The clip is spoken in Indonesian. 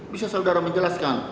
bisa saudara menjelaskan